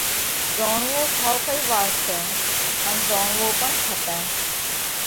زوڻوو ٺائُوڪئي وات سئہ ان زوڻوو پڻ کپئہ۔